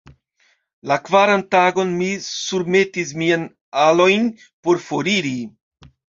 La kvaran tagon, mi surmetis miajn alojn por foriri.